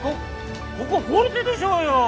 ここフォルテでしょうよ！